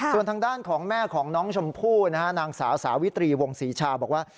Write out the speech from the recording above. ส่วนทางด้านของแม่ของน้องชมพู่นะฮะนางสาวสาวิตรีวงศรีชาบอกว่า